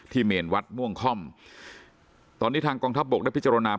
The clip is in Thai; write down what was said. เมนวัดม่วงค่อมตอนนี้ทางกองทัพบกได้พิจารณา